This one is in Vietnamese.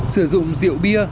sử dụng rượu bia